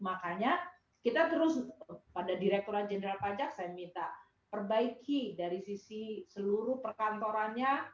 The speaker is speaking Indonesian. makanya kita terus pada direkturat jenderal pajak saya minta perbaiki dari sisi seluruh perkantorannya